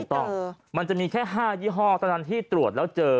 ถูกต้องมันจะมีแค่๕ยี่ห้อตอนที่ตรวจแล้วเจอ